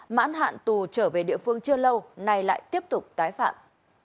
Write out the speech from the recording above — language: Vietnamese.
mãn hạn tù trở về địa phương chưa lâu nay lại tiếp tục tái phạm